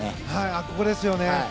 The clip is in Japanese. ここですよね。